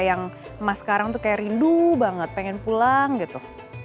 yang emas sekarang tuh kayak rindu banget pengen pulang gitu